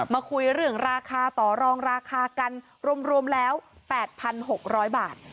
มาคุยเรื่องราคาต่อรองราคากันรวมแล้ว๘๖๐๐บาท